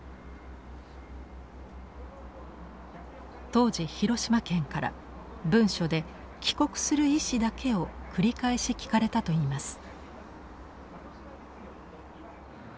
当時広島県から文書で帰国する意思だけを繰り返し聞かれたといいます。